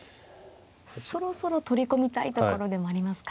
そろそろ取り込みたいところでもありますか。